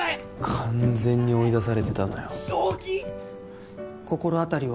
完全に追い出されてたのよ心当たりは？